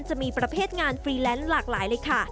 จะมีประเภทงานฟรีแลนซ์หลากหลายเลยค่ะ